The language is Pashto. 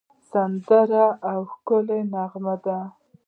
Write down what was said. سندره د اوښکو نغمه ده